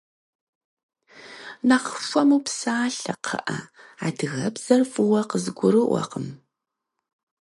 Нэхъ хуэму псалъэ, кхъыӏэ, адыгэбзэр фӏыуэ къызгурыӏуэкъым.